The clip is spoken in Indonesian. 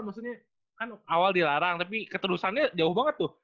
maksudnya kan awal dilarang tapi ketulusannya jauh banget tuh